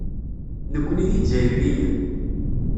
Nekkni d Izzayriyen.